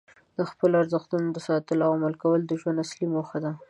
د خپلو ارزښتونو ساتل او عمل کول د ژوند اصلي موخه ده.